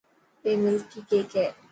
اي ملڪي ڪيڪ هي.